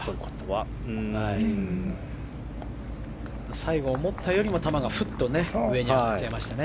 最後思ったよりも球がふっと上に上がっちゃいましたね。